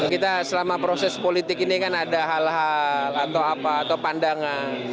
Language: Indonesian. kita selama proses politik ini kan ada hal hal atau apa atau pandangan